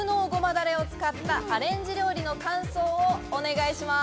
だれを使ったアレンジ料理の感想をお願いします。